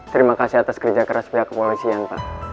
terima kasih atas kerja keras pihak kepolisian pak